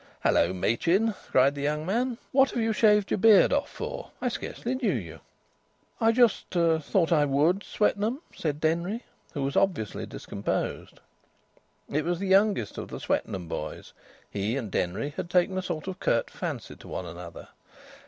"Hello, Machin!" cried the young man. "What have you shaved your beard off, for? I scarcely knew you." "I just thought I would, Swetnam," said Denry, who was obviously discomposed. It was the youngest of the Swetnam boys; he and Denry had taken a sort of curt fancy to one another.